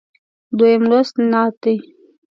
دویم لوست نعت دی.